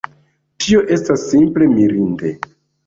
Tio estas simple mirinde!